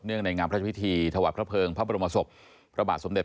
เนื่องในงามพระชวิธีทวัตรพระเภิงพระบรมศพพระบาทสมเด็จ